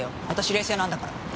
私冷静なんだから。